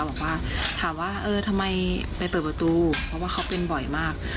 บอกว่าถามว่าเออทำไมไปเปิดประตูเพราะว่าเขาเป็นบ่อยมาก